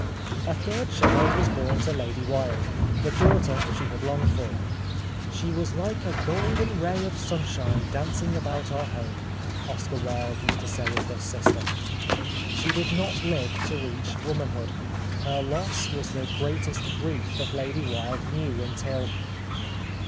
A third child was born to Lady Wilde, the daughter she had longed for. " She was like a golden ray of sunshine dancing about our home," Oscar Wilde used to say of this sister. She did not live to reach womanhood ; her loss was the greatest grief that Lady Wilde knew until.